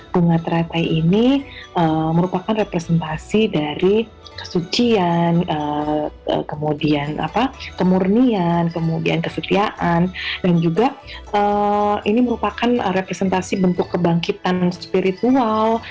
bunga teratai ini merupakan representasi dari kesucian kemudian kemurnian kemudian kesetiaan dan juga ini merupakan representasi bentuk kebangkitan spiritual